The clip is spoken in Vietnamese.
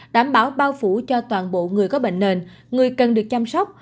đảm bảo bao phủ cho toàn bộ người có bệnh nền người cần được chăm sóc